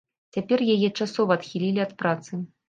Цяпер яе часова адхілі ад працы.